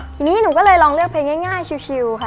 ทีนี้หนูก็เลยลองเลือกเพลงง่ายชิวค่ะ